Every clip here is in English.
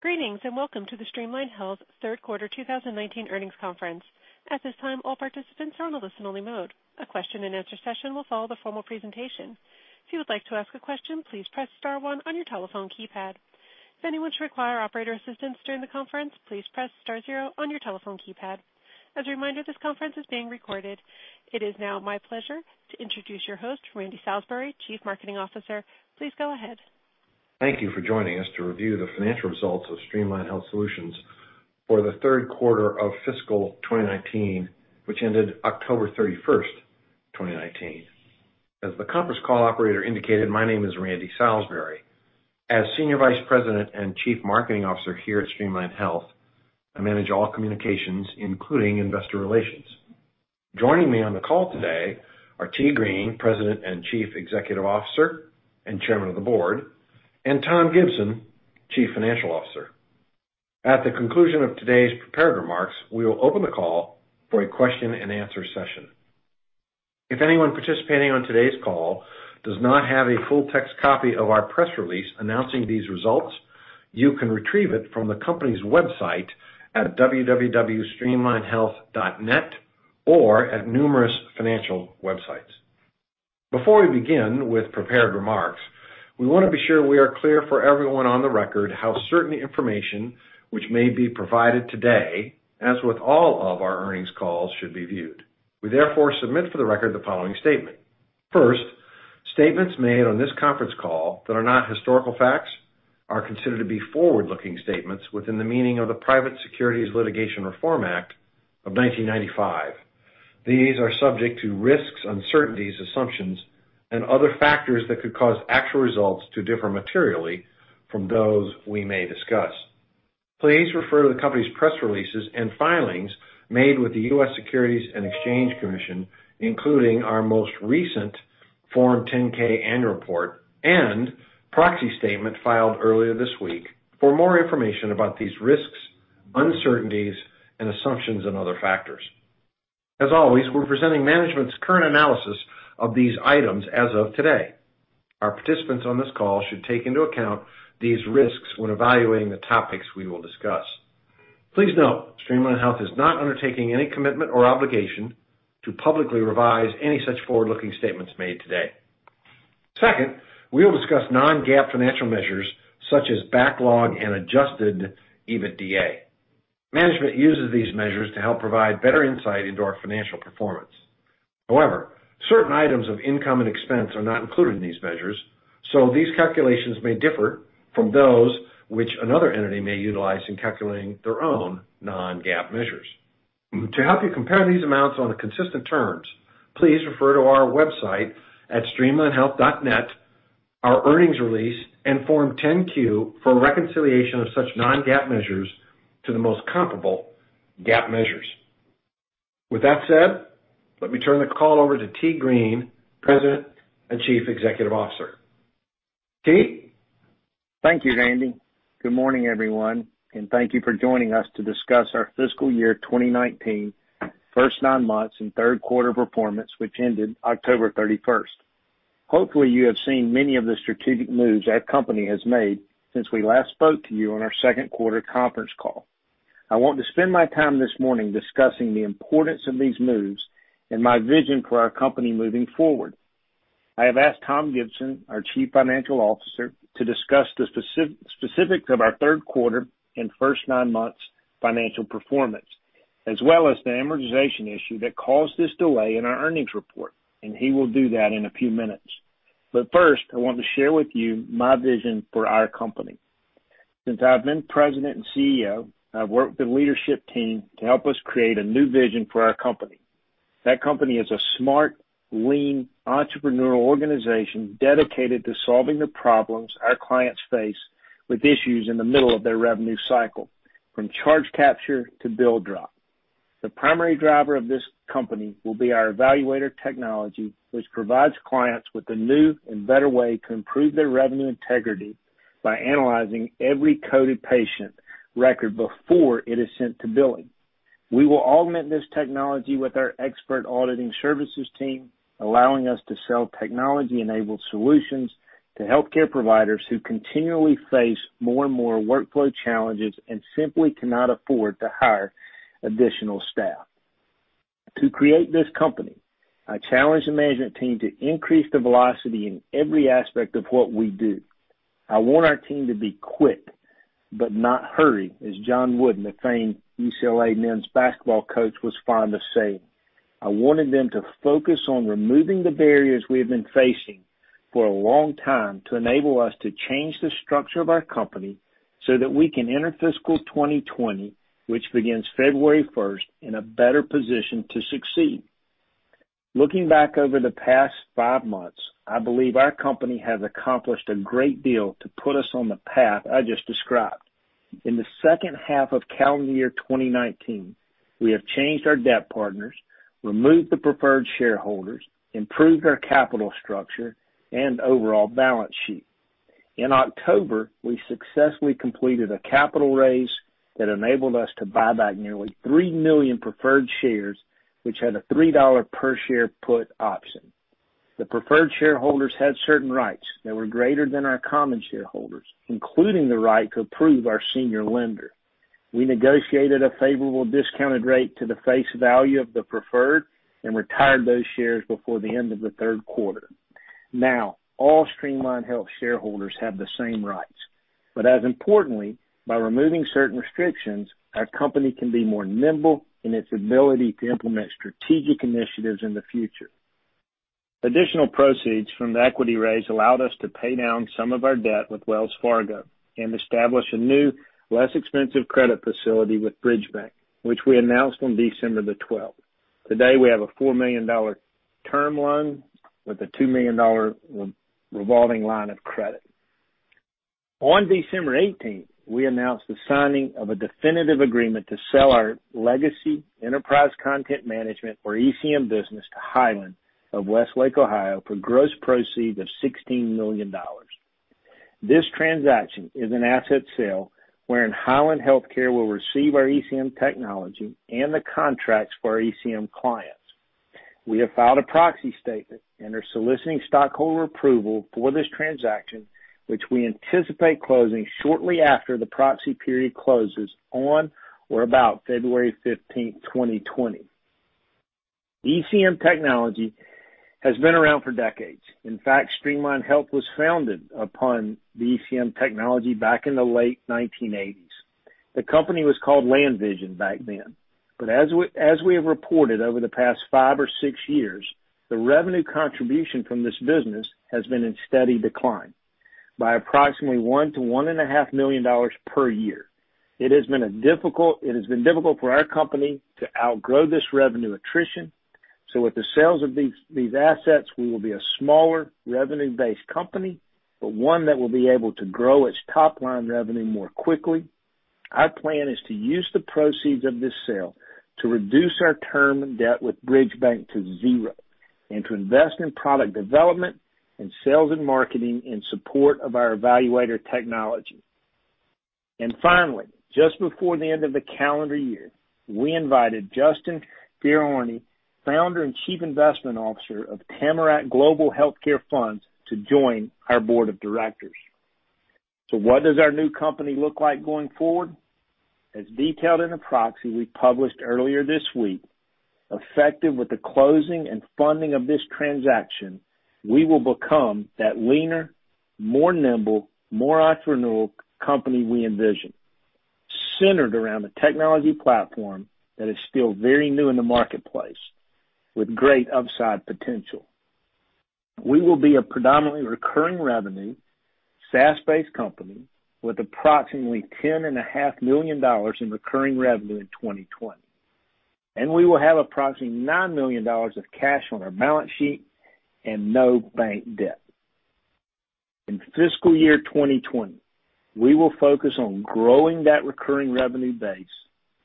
Greetings, and welcome to the Streamline Health Solutions Third Quarter 2019 Earnings Conference. At this time, all participants are on a listen-only mode. A question and answer session will follow the formal presentation. If you would like to ask a question, please press star one on your telephone keypad. If anyone should require operator assistance during the conference, please press star zero on your telephone keypad. As a reminder, this conference is being recorded. It is now my pleasure to introduce your host, Randy Salisbury, Chief Marketing Officer. Please go ahead. Thank you for joining us to review the financial results of Streamline Health Solutions for the third quarter of fiscal 2019, which ended October 31st, 2019. As the conference call operator indicated, my name is Randy Salisbury. As Senior Vice President and Chief Marketing Officer here at Streamline Health, I manage all communications, including investor relations. Joining me on the call today are T. Green, President and Chief Executive Officer and Chairman of the Board, and Tom Gibson, Chief Financial Officer. At the conclusion of today's prepared remarks, we will open the call for a question and answer session. If anyone participating on today's call does not have a full text copy of our press release announcing these results, you can retrieve it from the company's website at www.streamlinehealth.net or at numerous financial websites. Before we begin with prepared remarks, we want to be sure we are clear for everyone on the record how certain information which may be provided today, as with all of our earnings calls, should be viewed. We therefore submit for the record the following statement. Statements made on this conference call that are not historical facts are considered to be forward-looking statements within the meaning of the Private Securities Litigation Reform Act of 1995. These are subject to risks, uncertainties, assumptions, and other factors that could cause actual results to differ materially from those we may discuss. Please refer to the company's press releases and filings made with the U.S. Securities and Exchange Commission, including our most recent Form 10-K annual report and proxy statement filed earlier this week, for more information about these risks, uncertainties, and assumptions and other factors. As always, we're presenting management's current analysis of these items as of today. Our participants on this call should take into account these risks when evaluating the topics we will discuss. Please note, Streamline Health is not undertaking any commitment or obligation to publicly revise any such forward-looking statements made today. We will discuss non-GAAP financial measures such as backlog and adjusted EBITDA. Management uses these measures to help provide better insight into our financial performance. However, certain items of income and expense are not included in these measures, so these calculations may differ from those which another entity may utilize in calculating their own non-GAAP measures. To help you compare these amounts on a consistent terms, please refer to our website at streamlinehealth.net, our earnings release, and Form 10-Q for a reconciliation of such non-GAAP measures to the most comparable GAAP measures. With that said, let me turn the call over to T. Green, President and Chief Executive Officer. T? Thank you, Randy. Good morning, everyone, and thank you for joining us to discuss our fiscal year 2019 first nine months and third quarter performance, which ended October 31st. Hopefully, you have seen many of the strategic moves our company has made since we last spoke to you on our second quarter conference call. I want to spend my time this morning discussing the importance of these moves and my vision for our company moving forward. I have asked Tom Gibson, our Chief Financial Officer, to discuss the specifics of our third quarter and first nine months' financial performance, as well as the amortization issue that caused this delay in our earnings report, and he will do that in a few minutes. First, I want to share with you my vision for our company. Since I've been President and CEO, I've worked with the leadership team to help us create a new vision for our company. That company is a smart, lean, entrepreneurial organization dedicated to solving the problems our clients face with issues in the middle of their revenue cycle, from charge capture to bill drop. The primary driver of this company will be our eValuator technology, which provides clients with a new and better way to improve their revenue integrity by analyzing every coded patient record before it is sent to billing. We will augment this technology with our expert auditing services team, allowing us to sell technology-enabled solutions to healthcare providers who continually face more and more workflow challenges and simply cannot afford to hire additional staff. To create this company, I challenged the management team to increase the velocity in every aspect of what we do. I want our team to be quick but not hurried, as John Wooden, the famed UCLA men's basketball coach, was fond of saying. I wanted them to focus on removing the barriers we have been facing for a long time to enable us to change the structure of our company so that we can enter fiscal 2020, which begins February 1st, in a better position to succeed. Looking back over the past five months, I believe our company has accomplished a great deal to put us on the path I just described. In the second half of calendar year 2019, we have changed our debt partners, removed the preferred shareholders, improved our capital structure, and overall balance sheet. In October, we successfully completed a capital raise that enabled us to buy back nearly 3 million preferred shares, which had a $3 per share put option. The preferred shareholders had certain rights that were greater than our common shareholders, including the right to approve our senior lender. We negotiated a favorable discounted rate to the face value of the preferred and retired those shares before the end of the third quarter. Now, all Streamline Health shareholders have the same rights. As importantly, by removing certain restrictions, our company can be more nimble in its ability to implement strategic initiatives in the future. Additional proceeds from the equity raise allowed us to pay down some of our debt with Wells Fargo and establish a new, less expensive credit facility with Bridge Bank, which we announced on December 12. Today, we have a $4 million term loan with a $2 million revolving line of credit. On December 18th, we announced the signing of a definitive agreement to sell our legacy enterprise content management, or ECM, business to Hyland of Westlake, Ohio, for gross proceeds of $16 million. This transaction is an asset sale wherein Hyland Healthcare will receive our ECM technology and the contracts for our ECM clients. We have filed a proxy statement and are soliciting stockholder approval for this transaction, which we anticipate closing shortly after the proxy period closes on or about February 15th, 2020. ECM technology has been around for decades. In fact, Streamline Health was founded upon the ECM technology back in the late 1980s. The company was called LanVision back then. As we have reported over the past five or six years, the revenue contribution from this business has been in steady decline by approximately $1 million-$1.5 million per year. It has been difficult for our company to outgrow this revenue attrition, so with the sales of these assets, we will be a smaller revenue-based company, but one that will be able to grow its top-line revenue more quickly. Our plan is to use the proceeds of this sale to reduce our term debt with Bridge Bank to zero and to invest in product development and sales and marketing in support of our eValuator technology. Finally, just before the end of the calendar year, we invited Justin Ferayorni, founder and chief investment officer of Tamarack Global Healthcare Fund, to join our board of directors. What does our new company look like going forward? As detailed in the proxy we published earlier this week, effective with the closing and funding of this transaction, we will become that leaner, more nimble, more entrepreneurial company we envision, centered around a technology platform that is still very new in the marketplace with great upside potential. We will be a predominantly recurring revenue, SaaS-based company with approximately $10.5 million in recurring revenue in 2020. We will have approximately $9 million of cash on our balance sheet and no bank debt. In fiscal year 2020, we will focus on growing that recurring revenue base,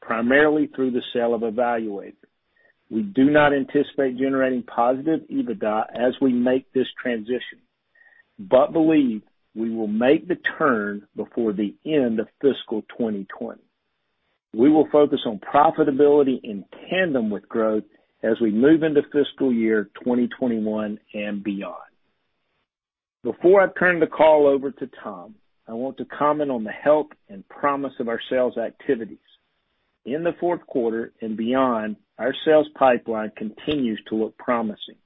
primarily through the sale of eValuator. We do not anticipate generating positive EBITDA as we make this transition, but believe we will make the turn before the end of fiscal 2020. We will focus on profitability in tandem with growth as we move into fiscal year 2021 and beyond. Before I turn the call over to Tom, I want to comment on the health and promise of our sales activities. In the fourth quarter and beyond, our sales pipeline continues to look promising.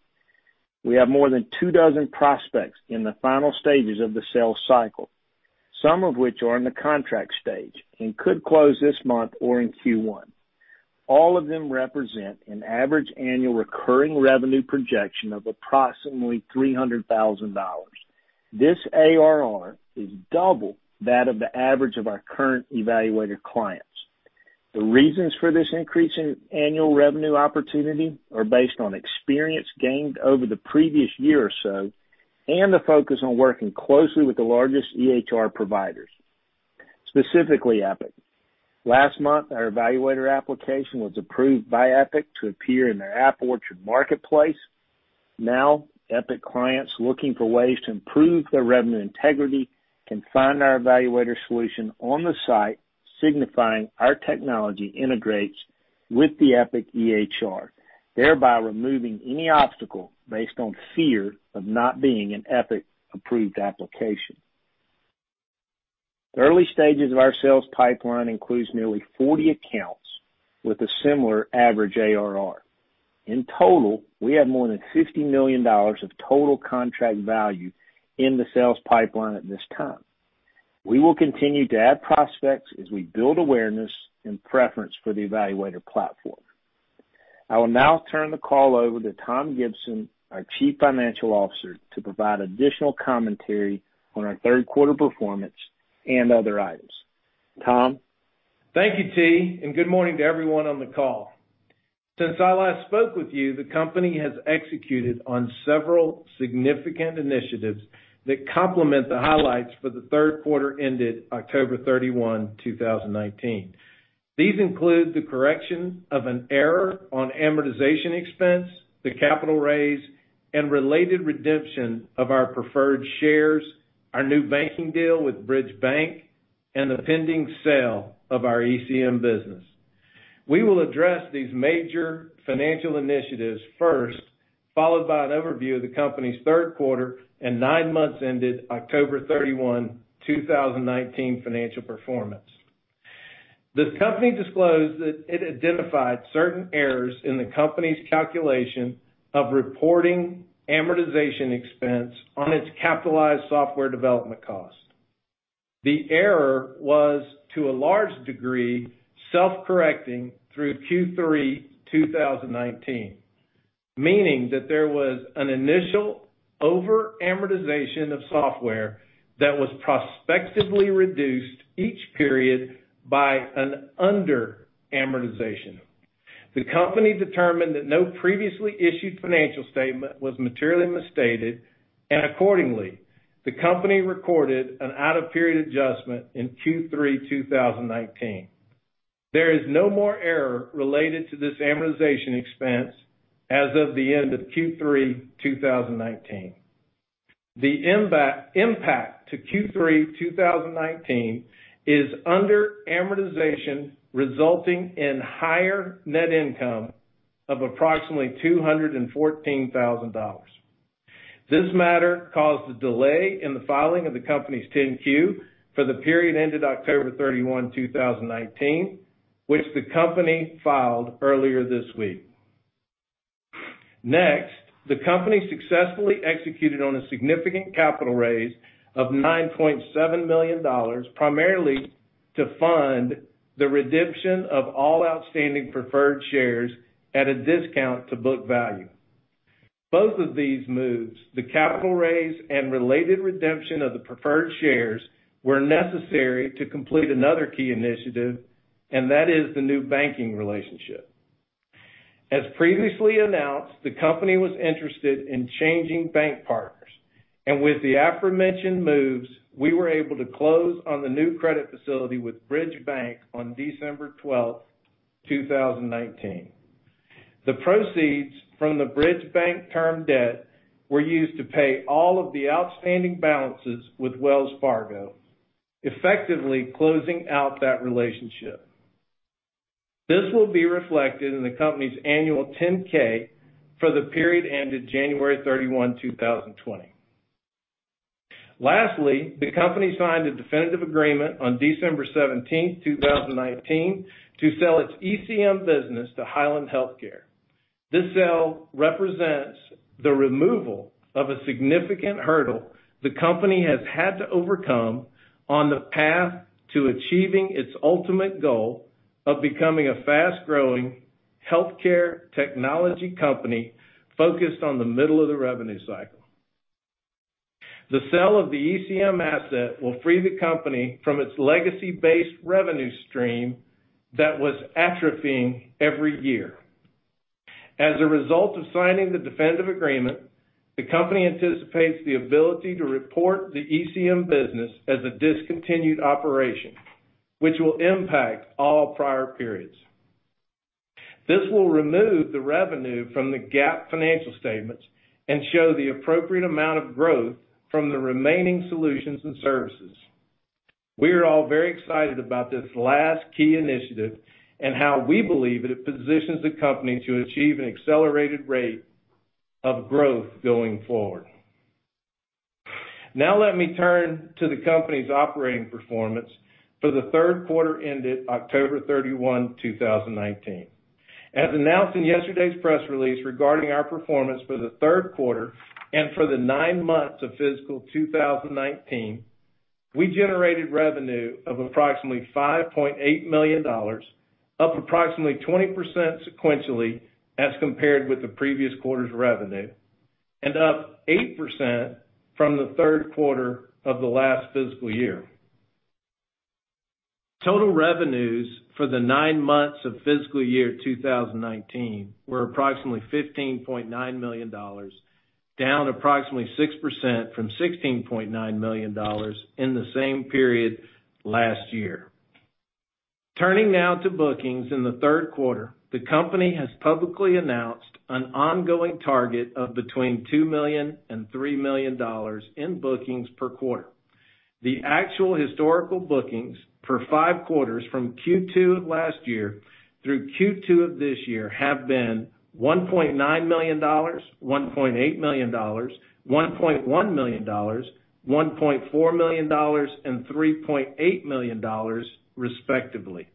We have more than 2 dozen prospects in the final stages of the sales cycle, some of which are in the contract stage and could close this month or in Q1. All of them represent an average annual recurring revenue projection of approximately $300,000. This ARR is double that of the average of our current eValuator clients. The reasons for this increase in annual revenue opportunity are based on experience gained over the previous year or so and the focus on working closely with the largest EHR providers, specifically Epic. Last month, our eValuator application was approved by Epic to appear in their App Orchard marketplace. Now, Epic clients looking for ways to improve their revenue integrity can find our eValuator solution on the site, signifying our technology integrates with the Epic EHR, thereby removing any obstacle based on fear of not being an Epic-approved application. The early stages of our sales pipeline includes nearly 40 accounts with a similar average ARR. In total, we have more than $50 million of total contract value in the sales pipeline at this time. We will continue to add prospects as we build awareness and preference for the eValuator platform. I will now turn the call over to Tom Gibson, our Chief Financial Officer, to provide additional commentary on our third quarter performance and other items. Tom? Thank you, T., and good morning to everyone on the call. Since I last spoke with you, the company has executed on several significant initiatives that complement the highlights for the third quarter ended October 31, 2019. These include the correction of an error on amortization expense, the capital raise, and related redemption of our preferred shares, our new banking deal with Bridge Bank, and the pending sale of our ECM business. We will address these major financial initiatives first, followed by an overview of the company's third quarter and nine months ended October 31, 2019, financial performance. The company disclosed that it identified certain errors in the company's calculation of reporting amortization expense on its capitalized software development cost. The error was, to a large degree, self-correcting through Q3 2019, meaning that there was an initial over-amortization of software that was prospectively reduced each period by an under-amortization. The company determined that no previously issued financial statement was materially misstated, and accordingly, the company recorded an out-of-period adjustment in Q3 2019. There is no more error related to this amortization expense as of the end of Q3 2019. The impact to Q3 2019 is under amortization resulting in higher net income of approximately $214,000. This matter caused a delay in the filing of the company's 10-Q for the period ended October 31, 2019, which the company filed earlier this week. Next, the company successfully executed on a significant capital raise of $9.7 million, primarily to fund the redemption of all outstanding preferred shares at a discount to book value. Both of these moves, the capital raise and related redemption of the preferred shares, were necessary to complete another key initiative, and that is the new banking relationship. As previously announced, the company was interested in changing bank partners, and with the aforementioned moves, we were able to close on the new credit facility with Bridge Bank on December 12, 2019. The proceeds from the Bridge Bank term debt were used to pay all of the outstanding balances with Wells Fargo, effectively closing out that relationship. This will be reflected in the company's annual 10-K for the period ended January 31, 2020. Lastly, the company signed a definitive agreement on December 17, 2019, to sell its ECM business to Hyland Healthcare. This sale represents the removal of a significant hurdle the company has had to overcome on the path to achieving its ultimate goal of becoming a fast-growing healthcare technology company focused on the middle of the revenue cycle. The sale of the ECM asset will free the company from its legacy-based revenue stream that was atrophying every year. As a result of signing the definitive agreement, the company anticipates the ability to report the ECM business as a discontinued operation, which will impact all prior periods. This will remove the revenue from the GAAP financial statements and show the appropriate amount of growth from the remaining solutions and services. We are all very excited about this last key initiative and how we believe it positions the company to achieve an accelerated rate of growth going forward. Now let me turn to the company's operating performance for the third quarter ended October 31, 2019. As announced in yesterday's press release regarding our performance for the third quarter and for the nine months of fiscal 2019, we generated revenue of approximately $5.8 million, up approximately 20% sequentially as compared with the previous quarter's revenue, and up 8% from the third quarter of the last fiscal year. Total revenues for the nine months of fiscal year 2019 were approximately $15.9 million, down approximately 6% from $16.9 million in the same period last year. Turning now to bookings in the third quarter. The company has publicly announced an ongoing target of between $2 million and $3 million in bookings per quarter. The actual historical bookings for five quarters from Q2 of last year through Q2 of this year have been $1.9 million, $1.8 million, $1.1 million, $1.4 million, and $3.8 million respectively.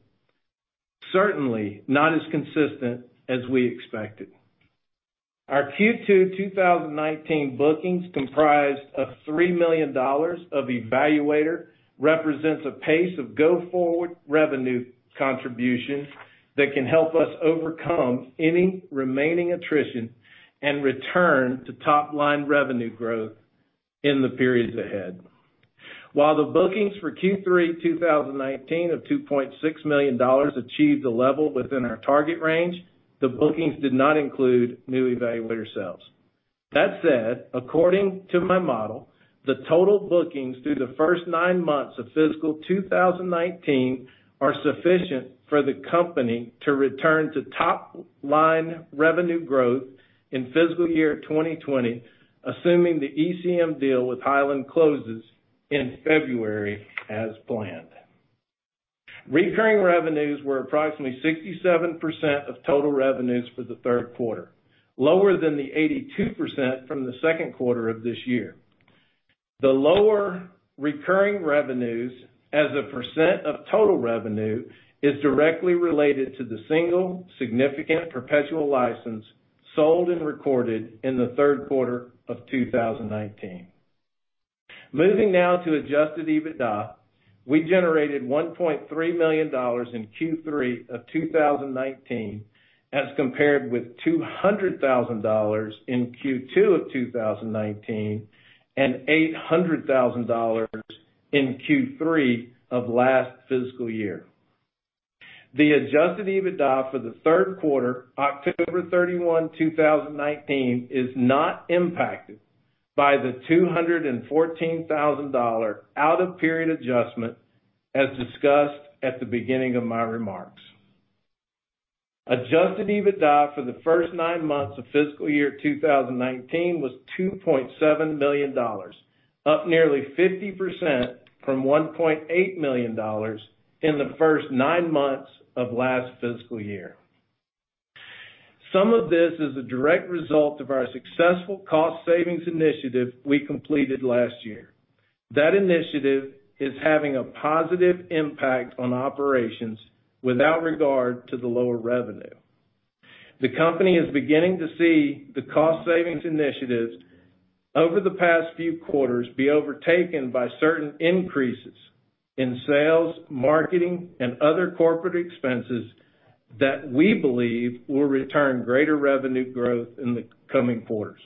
Certainly not as consistent as we expected. Our Q2 2019 bookings comprised of $3 million of eValuator represents a pace of go-forward revenue contribution that can help us overcome any remaining attrition and return to top-line revenue growth in the periods ahead. While the bookings for Q3 2019 of $2.6 million achieved a level within our target range, the bookings did not include new eValuator sales. That said, according to my model, the total bookings through the first nine months of fiscal 2019 are sufficient for the company to return to top-line revenue growth in fiscal year 2020, assuming the ECM deal with Hyland closes in February as planned. Recurring revenues were approximately 67% of total revenues for the third quarter, lower than the 82% from the second quarter of this year. The lower recurring revenues as a % of total revenue is directly related to the single significant perpetual license sold and recorded in the third quarter of 2019. Moving now to adjusted EBITDA. We generated $1.3 million in Q3 of 2019 as compared with $200,000 in Q2 of 2019 and $800,000 in Q3 of last fiscal year. The adjusted EBITDA for the third quarter, October 31, 2019, is not impacted by the $214,000 out-of-period adjustment as discussed at the beginning of my remarks. Adjusted EBITDA for the first nine months of fiscal year 2019 was $2.7 million, up nearly 50% from $1.8 million in the first nine months of last fiscal year. Some of this is a direct result of our successful cost savings initiative we completed last year. That initiative is having a positive impact on operations without regard to the lower revenue. The company is beginning to see the cost savings initiatives over the past few quarters be overtaken by certain increases in sales, marketing, and other corporate expenses that we believe will return greater revenue growth in the coming quarters.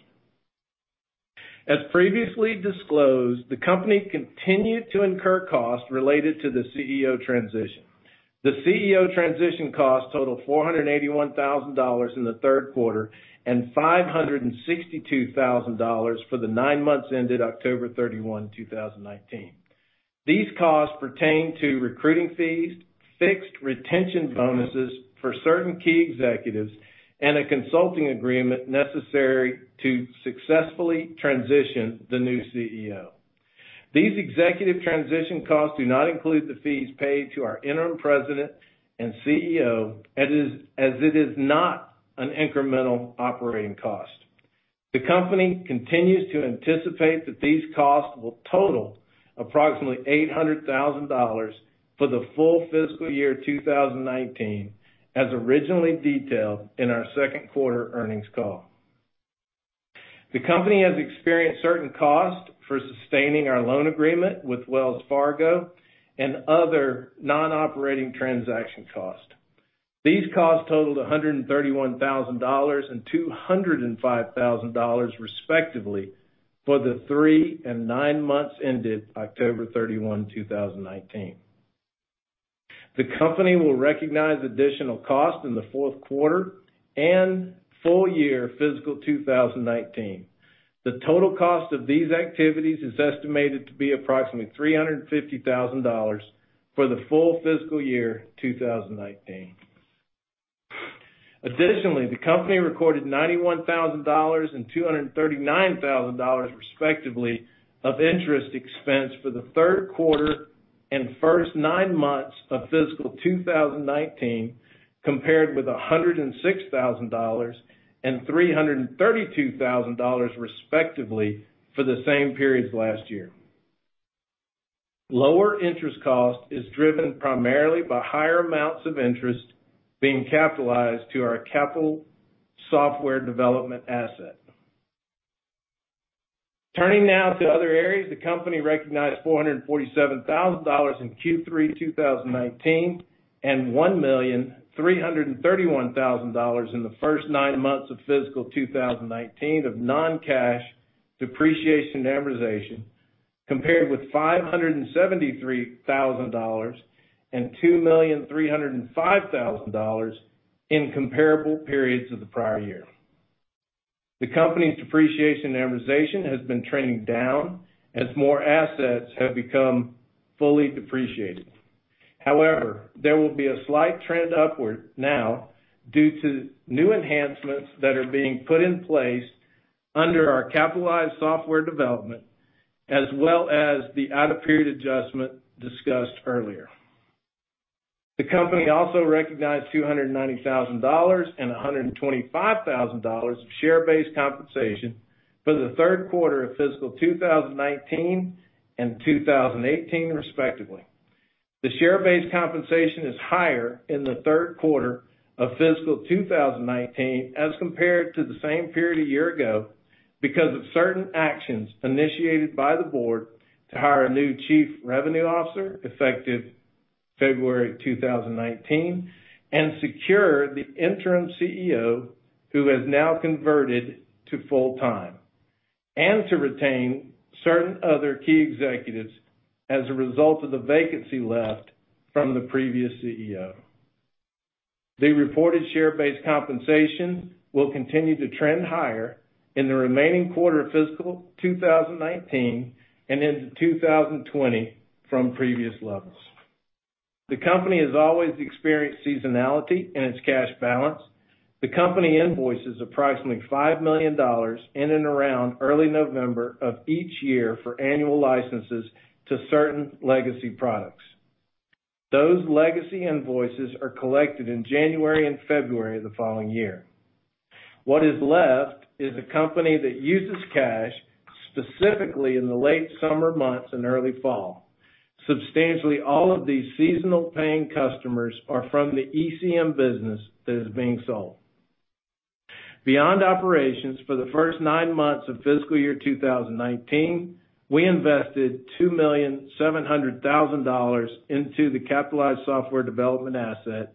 As previously disclosed, the company continued to incur costs related to the CEO transition. The CEO transition costs totaled $481,000 in the third quarter and $562,000 for the nine months ended October 31, 2019. These costs pertain to recruiting fees, fixed retention bonuses for certain key executives, and a consulting agreement necessary to successfully transition the new CEO. These executive transition costs do not include the fees paid to our interim President and CEO, as it is not an incremental operating cost. The company continues to anticipate that these costs will total approximately $800,000 for the full fiscal year 2019, as originally detailed in our second quarter earnings call. The company has experienced certain costs for sustaining our loan agreement with Wells Fargo and other non-operating transaction costs. These costs totaled $131,000 and $205,000 respectively for the three and nine months ended October 31, 2019. The company will recognize additional costs in the fourth quarter and full year fiscal 2019. The total cost of these activities is estimated to be approximately $350,000 for the full fiscal year 2019. Additionally, the company recorded $91,000 and $239,000 respectively of interest expense for the third quarter and first nine months of fiscal 2019, compared with $106,000 and $332,000 respectively for the same periods last year. Lower interest cost is driven primarily by higher amounts of interest being capitalized to our capital software development asset. Turning now to other areas, the company recognized $447,000 in Q3 2019 and $1,331,000 in the first nine months of fiscal 2019 of non-cash depreciation and amortization, compared with $573,000 and $2,305,000 in comparable periods of the prior year. The company's depreciation and amortization has been trending down as more assets have become fully depreciated. However, there will be a slight trend upward now due to new enhancements that are being put in place under our capitalized software development, as well as the out-of-period adjustment discussed earlier. The company also recognized $290,000 and $125,000 of share-based compensation for the third quarter of fiscal 2019 and 2018, respectively. The share-based compensation is higher in the third quarter of fiscal 2019 as compared to the same period a year ago because of certain actions initiated by the board to hire a new Chief Revenue Officer, effective February 2019, and secure the interim CEO, who has now converted to full-time. To retain certain other key executives as a result of the vacancy left from the previous CEO. The reported share-based compensation will continue to trend higher in the remaining quarter of fiscal 2019 and into 2020 from previous levels. The company has always experienced seasonality in its cash balance. The company invoices approximately $5 million in and around early November of each year for annual licenses to certain legacy products. Those legacy invoices are collected in January and February of the following year. What is left is a company that uses cash specifically in the late summer months and early fall. Substantially all of these seasonal paying customers are from the ECM business that is being sold. Beyond operations for the first nine months of fiscal year 2019, we invested $2,700,000 into the capitalized software development asset,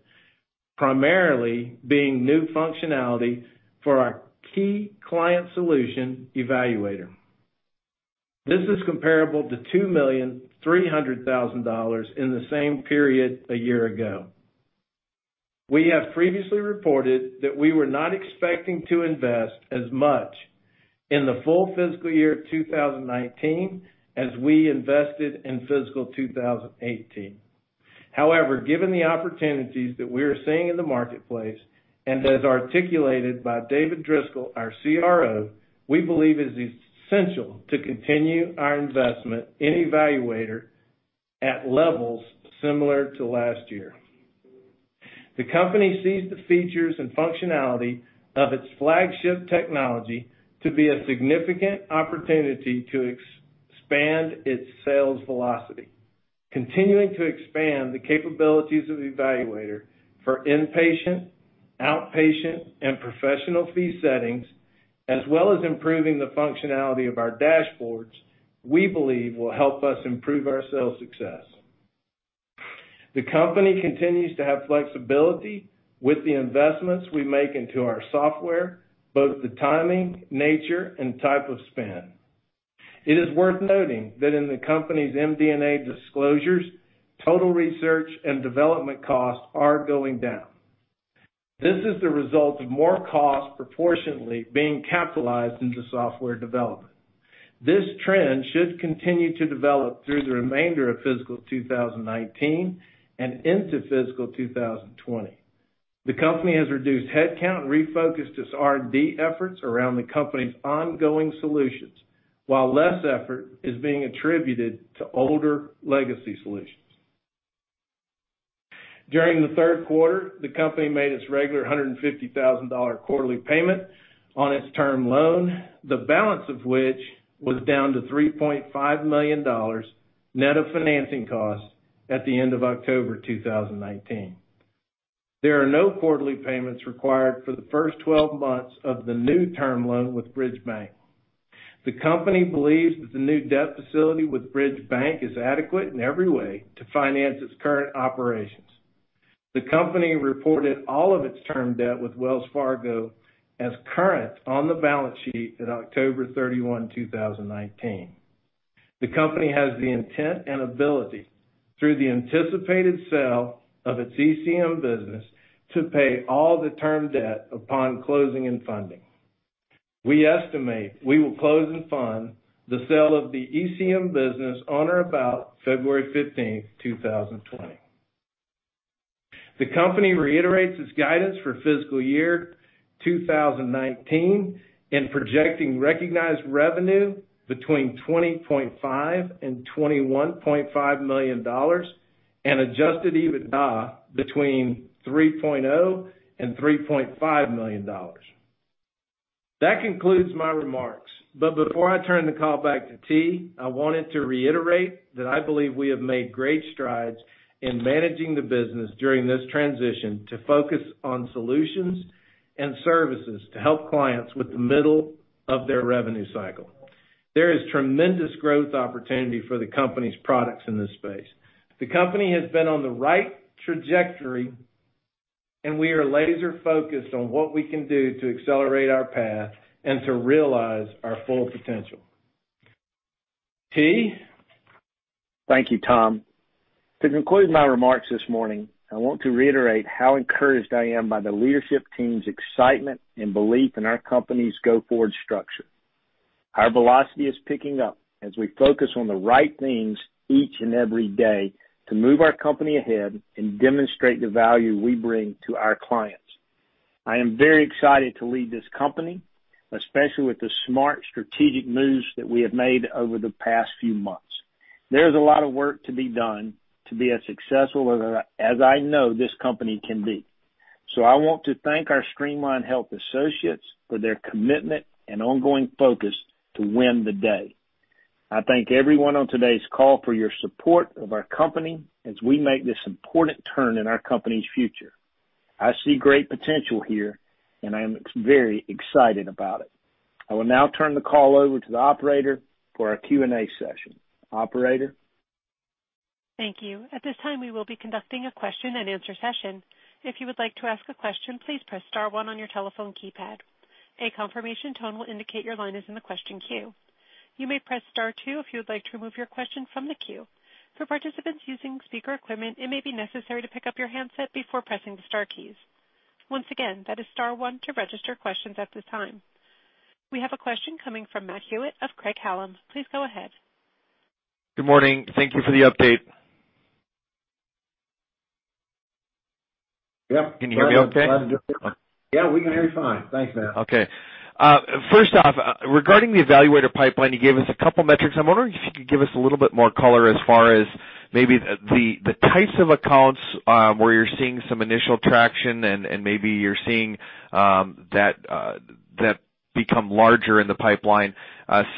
primarily being new functionality for our key client solution eValuator. This is comparable to $2,300,000 in the same period a year ago. We have previously reported that we were not expecting to invest as much in the full fiscal year of 2019 as we invested in fiscal 2018. However, given the opportunities that we are seeing in the marketplace, and as articulated by David Driscoll, our CRO, we believe it is essential to continue our investment in eValuator at levels similar to last year. The company sees the features and functionality of its flagship technology to be a significant opportunity to expand its sales velocity. Continuing to expand the capabilities of eValuator for inpatient, outpatient, and professional fee settings, as well as improving the functionality of our dashboards, we believe will help us improve our sales success. The company continues to have flexibility with the investments we make into our software, both the timing, nature, and type of spend. It is worth noting that in the company's MD&A disclosures, total research and development costs are going down. This is the result of more costs proportionately being capitalized into software development. This trend should continue to develop through the remainder of fiscal 2019 and into fiscal 2020. The company has reduced headcount and refocused its R&D efforts around the company's ongoing solutions, while less effort is being attributed to older legacy solutions. During the third quarter, the company made its regular $150,000 quarterly payment on its term loan, the balance of which was down to $3.5 million net of financing costs at the end of October 2019. There are no quarterly payments required for the first 12 months of the new term loan with Bridge Bank. The company believes that the new debt facility with Bridge Bank is adequate in every way to finance its current operations. The company reported all of its term debt with Wells Fargo as current on the balance sheet at October 31, 2019. The company has the intent and ability, through the anticipated sale of its ECM business, to pay all the term debt upon closing and funding. We estimate we will close and fund the sale of the ECM business on or about February 15, 2020. The company reiterates its guidance for fiscal year 2019 in projecting recognized revenue between $20.5 million and $21.5 million and adjusted EBITDA between $3.0 million and $3.5 million. That concludes my remarks. Before I turn the call back to T., I wanted to reiterate that I believe we have made great strides in managing the business during this transition to focus on solutions and services to help clients with the middle of their revenue cycle. There is tremendous growth opportunity for the company's products in this space. The company has been on the right trajectory, and we are laser-focused on what we can do to accelerate our path and to realize our full potential. T.? Thank you, Tom. To conclude my remarks this morning, I want to reiterate how encouraged I am by the leadership team's excitement and belief in our company's go-forward structure. Our velocity is picking up as we focus on the right things each and every day to move our company ahead and demonstrate the value we bring to our clients. I am very excited to lead this company, especially with the smart strategic moves that we have made over the past few months. There's a lot of work to be done to be as successful as I know this company can be. I want to thank our Streamline Health associates for their commitment and ongoing focus to win the day. I thank everyone on today's call for your support of our company as we make this important turn in our company's future. I see great potential here, and I am very excited about it. I will now turn the call over to the operator for our Q&A session. Operator? Thank you. At this time, we will be conducting a question and answer session. If you would like to ask a question, please press star one on your telephone keypad. A confirmation tone will indicate your line is in the question queue. You may press star two if you would like to remove your question from the queue. For participants using speaker equipment, it may be necessary to pick up your handset before pressing the star keys. Once again, that is star one to register questions at this time. We have a question coming from Matthew Hewitt of Craig-Hallum. Please go ahead. Good morning. Thank you for the update. Yep. Can you hear me okay? Yeah, we can hear you fine. Thanks, Matt. Okay. First off, regarding the eValuator pipeline, you gave us a couple metrics. I'm wondering if you could give us a little bit more color as far as maybe the types of accounts, where you're seeing some initial traction and maybe you're seeing that become larger in the pipeline.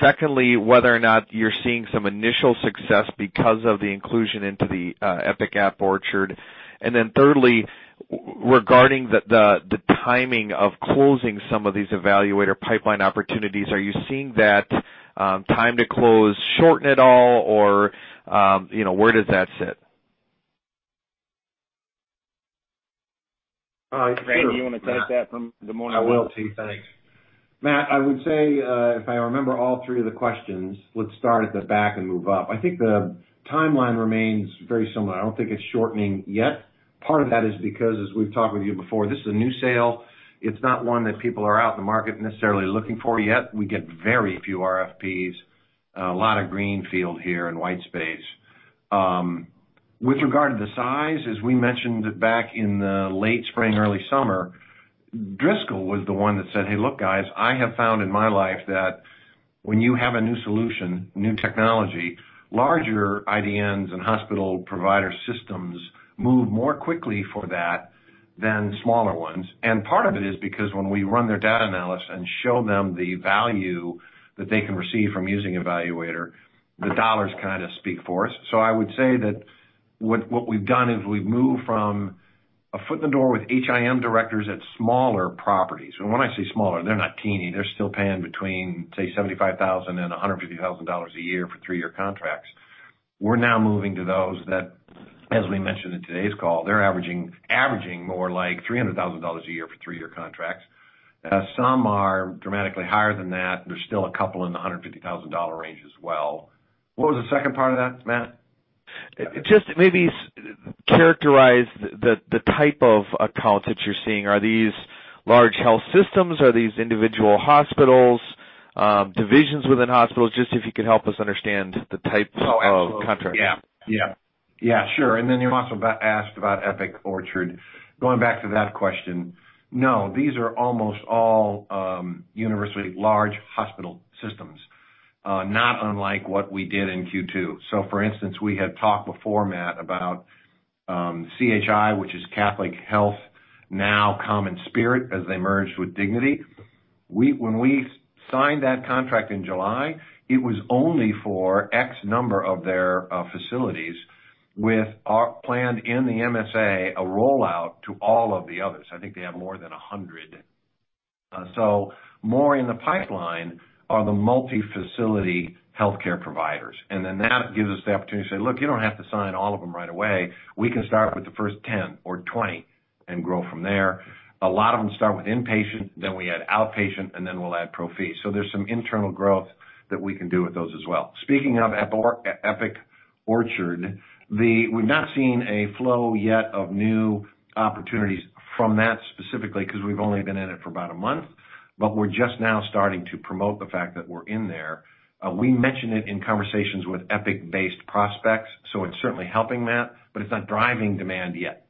Secondly, whether or not you're seeing some initial success because of the inclusion into the Epic App Orchard. Thirdly, regarding the timing of closing some of these eValuator pipeline opportunities, are you seeing that time to close shorten at all? Or where does that sit? Randy, you want to take that from the morning? I will, T. Thanks. Matt, I would say, if I remember all three of the questions, let's start at the back and move up. I think the timeline remains very similar. I don't think it's shortening yet. Part of that is because, as we've talked with you before, this is a new sale. It's not one that people are out in the market necessarily looking for yet. We get very few RFPs, a lot of green field here and white space. With regard to the size, as we mentioned back in the late spring, early summer, Driscoll was the one that said, "Hey, look, guys, I have found in my life that when you have a new solution, new technology, larger IDNs and hospital provider systems move more quickly for that than smaller ones." Part of it is because when we run their data analysis and show them the value that they can receive from using eValuator, the dollars kind of speak for us. I would say that what we've done is we've moved from a foot in the door with HIM directors at smaller properties. When I say smaller, they're not teeny. They're still paying between, say, $75,000 and $150,000 a year for three-year contracts. We're now moving to those that, as we mentioned in today's call, they're averaging more like $300,000 a year for three-year contracts. Some are dramatically higher than that. There's still a couple in the $150,000 range as well. What was the second part of that, Matt? Just maybe characterize the type of accounts that you're seeing. Are these large health systems? Are these individual hospitals, divisions within hospitals? Just if you could help us understand the type of contracts. Yeah. Sure. You also asked about Epic App Orchard. Going back to that question, no, these are almost all university large hospital systems, not unlike what we did in Q2. For instance, we had talked before, Matt, about CHI, which is Catholic Health, now CommonSpirit Health, as they merged with Dignity Health. When we signed that contract in July, it was only for X number of their facilities with planned in the MSA, a rollout to all of the others. I think they have more than 100. More in the pipeline are the multi-facility healthcare providers. That gives us the opportunity to say, "Look, you don't have to sign all of them right away. We can start with the first 10 or 20 and grow from there." A lot of them start with inpatient, we add outpatient, we'll add pro fee. There's some internal growth that we can do with those as well. Speaking of Epic Orchard, we've not seen a flow yet of new opportunities from that specifically because we've only been in it for about a month, but we're just now starting to promote the fact that we're in there. We mention it in conversations with Epic-based prospects, so it's certainly helping that, but it's not driving demand yet.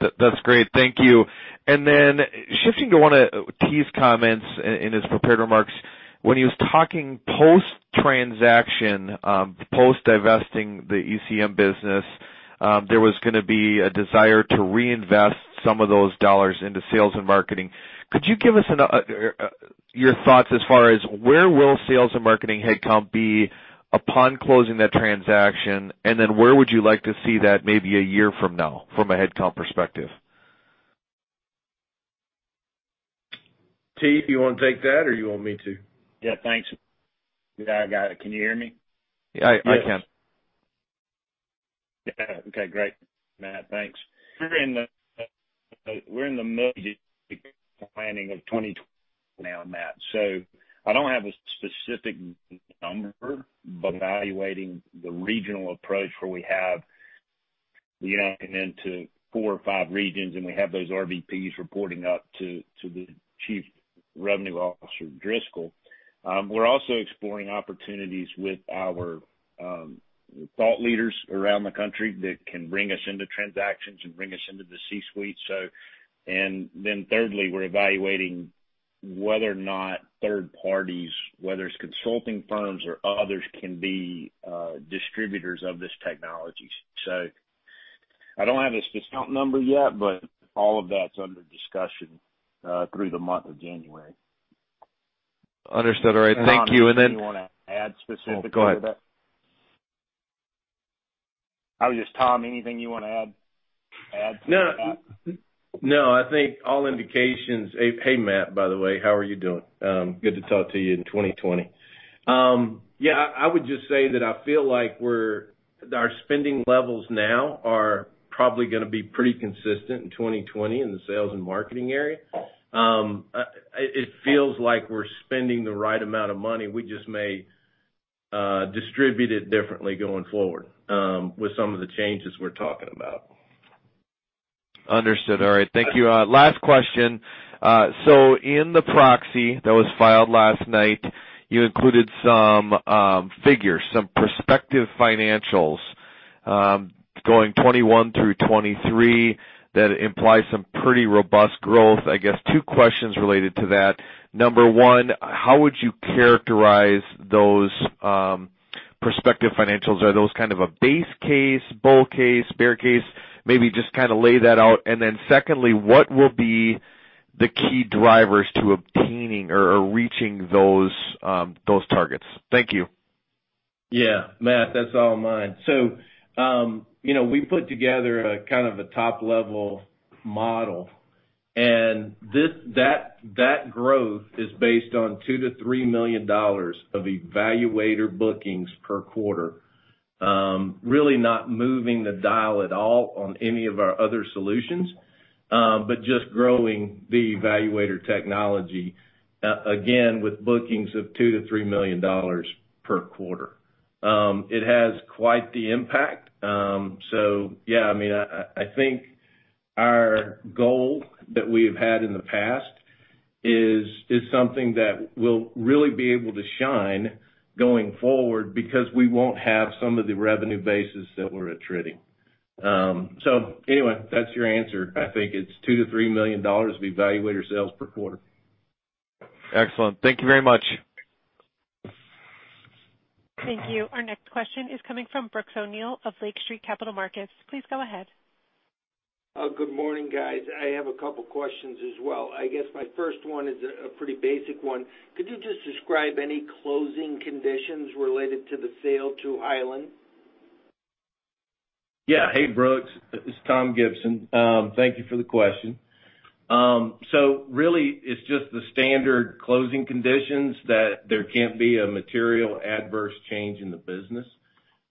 That's great. Thank you. Shifting to one of T. Green's comments in his prepared remarks. When he was talking post-transaction, post-divesting the ECM business, there was going to be a desire to reinvest some of those dollars into sales and marketing. Could you give us your thoughts as far as where will sales and marketing headcount be upon closing that transaction, and then where would you like to see that maybe a year from now from a headcount perspective? T, you want to take that or you want me to? Yeah, thanks. Yeah, I got it. Can you hear me? I can. Yeah. Okay, great, Matt. Thanks. We're in the midst of planning of 2020 now, Matt, so I don't have a specific number, but evaluating the regional approach where we have the intent to four or five regions, and we have those RVPs reporting up to the Chief Revenue Officer, Driscoll. We're also exploring opportunities with our thought leaders around the country that can bring us into transactions and bring us into the C-suite. Thirdly, we're evaluating whether or not third parties, whether it's consulting firms or others, can be distributors of this technology. I don't have a specific number yet, but all of that's under discussion through the month of January. Understood. All right. Thank you. Tom, anything you want to add specific to that? Go ahead. Tom, anything you want to add to that? No, I think all indications. Hey, Matt, by the way, how are you doing? Good to talk to you in 2020. I would just say that I feel like our spending levels now are probably going to be pretty consistent in 2020 in the sales and marketing area. It feels like we're spending the right amount of money. We just may distribute it differently going forward with some of the changes we're talking about. Understood. All right. Thank you. Last question. In the proxy that was filed last night, you included some figures, some prospective financials, going 2021 through 2023, that imply some pretty robust growth. I guess two questions related to that. Number one, how would you characterize those prospective financials? Are those kind of a base case, bull case, bear case? Maybe just lay that out. Secondly, what will be the key drivers to obtaining or reaching those targets? Thank you. Yeah, Matt, that's all mine. We put together a kind of a top-level model, and that growth is based on $2 million-$3 million of eValuator bookings per quarter. Really not moving the dial at all on any of our other solutions, but just growing the eValuator technology, again, with bookings of $2 million-$3 million per quarter. It has quite the impact. Yeah, I think our goal that we've had in the past is something that will really be able to shine going forward because we won't have some of the revenue bases that we're attriting. Anyway, that's your answer. I think it's $2 million-$3 million of eValuator sales per quarter. Excellent. Thank you very much. Thank you. Our next question is coming from Brooks O'Neil of Lake Street Capital Markets. Please go ahead. Good morning, guys. I have a couple questions as well. I guess my first one is a pretty basic one. Could you just describe any closing conditions related to the sale to Hyland? Yeah. Hey, Brooks, it's Tom Gibson. Thank you for the question. Really, it's just the standard closing conditions that there can't be a material adverse change in the business.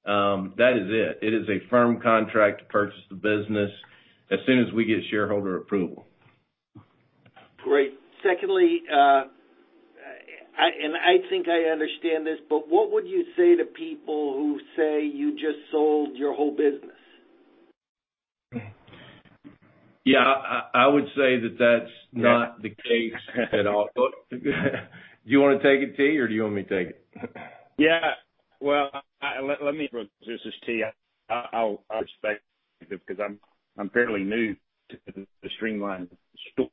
That is it. It is a firm contract to purchase the business as soon as we get shareholder approval. Great. Secondly, and I think I understand this, but what would you say to people who say you just sold your whole business? Yeah. I would say that that's not the case at all. Do you want to take it, T, or do you want me to take it? Yeah. Well, let me, Brooks. This is T. I'll respect, because I'm fairly new to the Streamline story.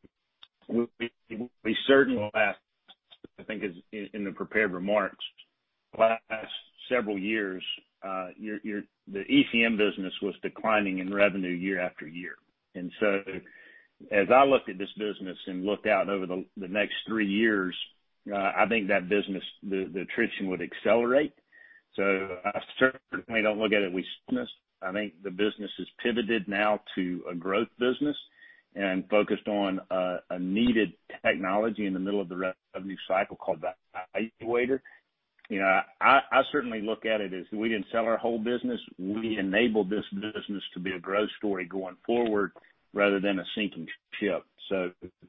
We certainly I think is in the prepared remarks, last several years, the ECM business was declining in revenue year after year. As I looked at this business and looked out over the next three years, I think that business, the attrition would accelerate. I certainly don't look at it business. I think the business has pivoted now to a growth business and focused on a needed technology in the middle of the revenue cycle called the eValuator. I certainly look at it as we didn't sell our whole business. We enabled this business to be a growth story going forward rather than a sinking ship.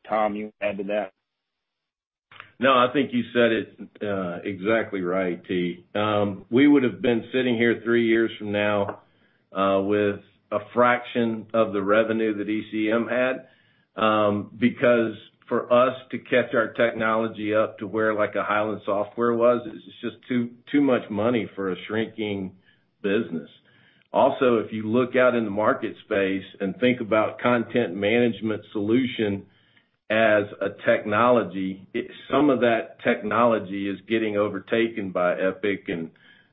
Tom, you add to that? No, I think you said it exactly right, T. We would've been sitting here 3 years from now with a fraction of the revenue that ECM had. For us to catch our technology up to where like a Hyland Software was, it's just too much money for a shrinking business. If you look out in the market space and think about content management solution as a technology, some of that technology is getting overtaken by Epic and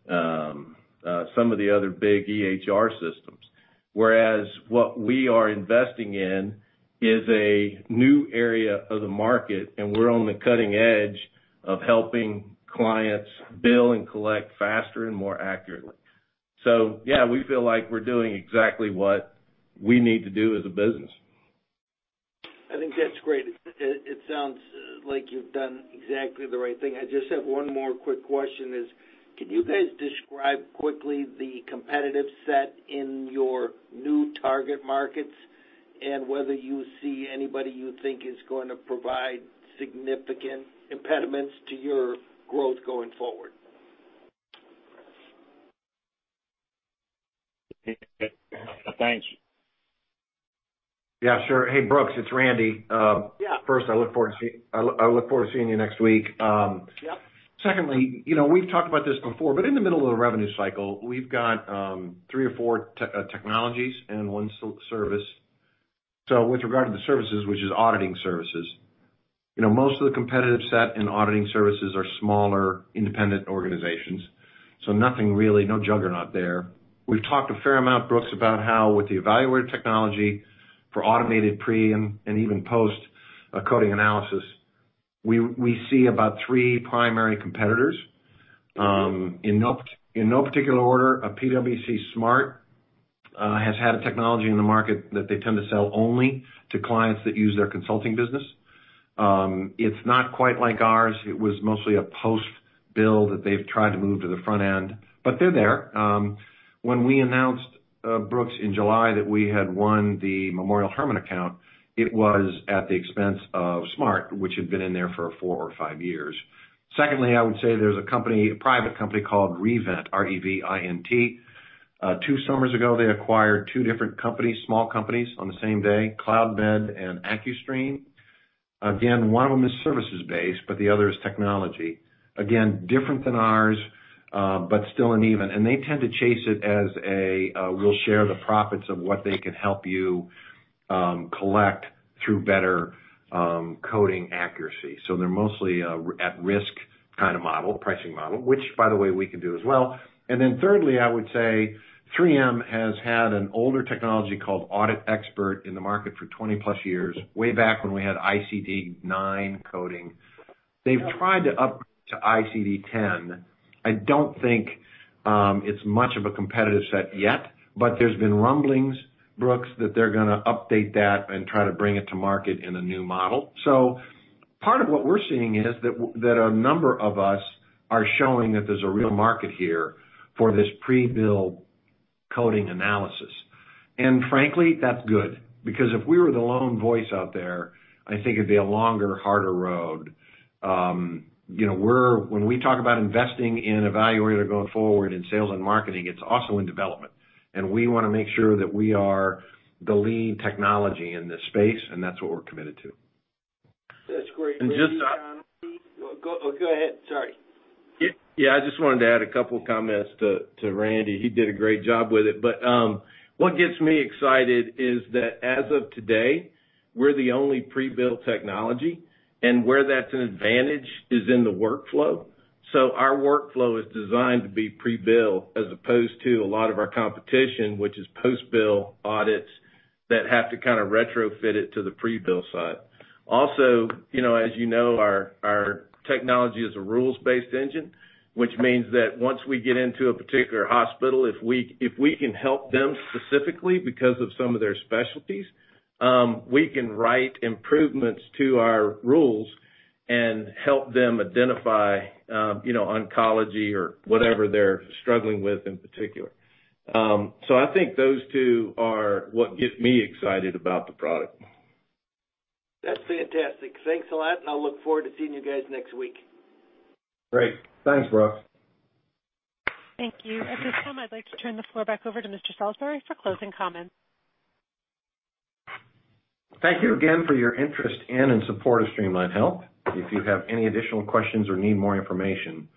some of the other big EHR systems. What we are investing in is a new area of the market, and we're on the cutting edge of helping clients bill and collect faster and more accurately. Yeah, we feel like we're doing exactly what we need to do as a business. I think that's great. It sounds like you've done exactly the right thing. I just have one more quick question is, can you guys describe quickly the competitive set in your new target markets and whether you see anybody you think is going to provide significant impediments to your growth going forward? Thanks. Yeah, sure. Hey, Brooks, it's Randy. Yeah. First, I look forward to seeing you next week. Yep. We've talked about this before, but in the middle of the revenue cycle, we've got three or four technologies and one service. With regard to the services, which is auditing services, most of the competitive set in auditing services are smaller, independent organizations, so nothing really, no juggernaut there. We've talked a fair amount, Brooks, about how with the eValuator technology for automated pre and even post-coding analysis, we see about three primary competitors. In no particular order, PwC's SMART has had a technology in the market that they tend to sell only to clients that use their consulting business. It's not quite like ours. It was mostly a post-bill that they've tried to move to the front end, but they're there. When we announced, Brooks, in July that we had won the Memorial Hermann account, it was at the expense of SMART, which had been in there for four or five years. I would say there's a private company called Revint, R-E-V-I-N-T. Two summers ago, they acquired two different small companies on the same day, CloudMed and AcuStream. One of them is services-based, but the other is technology. Different than ours, but still uneven. They tend to chase it as a, we'll share the profits of what they can help you collect through better coding accuracy. They're mostly at-risk kind of pricing model, which, by the way, we can do as well. Thirdly, I would say 3M has had an older technology called 3M Audit Expert in the market for 20-plus years, way back when we had ICD-9 coding. They've tried to upgrade to ICD-10. I don't think it's much of a competitive set yet, but there's been rumblings, Brooks, that they're going to update that and try to bring it to market in a new model. Part of what we're seeing is that a number of us are showing that there's a real market here for this pre-bill coding analysis. Frankly, that's good, because if we were the lone voice out there, I think it'd be a longer, harder road. When we talk about investing in eValuator going forward in sales and marketing, it's also in development. We want to make sure that we are the lead technology in this space, and that's what we're committed to. That's great, Randy. And just- Go ahead. Sorry. I just wanted to add a couple comments to Randy. He did a great job with it. What gets me excited is that as of today, we're the only pre-bill technology, and where that's an advantage is in the workflow. Our workflow is designed to be pre-bill as opposed to a lot of our competition, which is post-bill audits that have to kind of retrofit it to the pre-bill side. As you know, our technology is a rules-based engine, which means that once we get into a particular hospital, if we can help them specifically because of some of their specialties, we can write improvements to our rules and help them identify oncology or whatever they're struggling with in particular. I think those two are what get me excited about the product. That's fantastic. Thanks a lot. I'll look forward to seeing you guys next week. Great. Thanks, Brooks. Thank you. At this time, I'd like to turn the floor back over to Mr. Salisbury for closing comments. Thank you again for your interest in and support of Streamline Health. If you have any additional questions or need more information,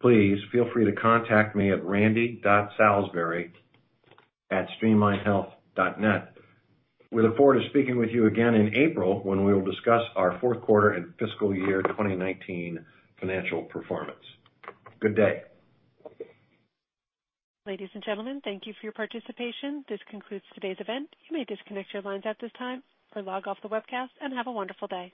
please feel free to contact me at randy.salisbury@streamlinehealth.net. We look forward to speaking with you again in April when we will discuss our fourth quarter and fiscal year 2019 financial performance. Good day. Ladies and gentlemen, thank you for your participation. This concludes today's event. You may disconnect your lines at this time or log off the webcast, and have a wonderful day.